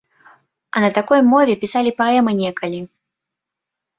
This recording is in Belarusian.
А на такой мове пісалі паэмы некалі.